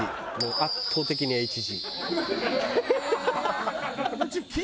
圧倒的にＨＧ。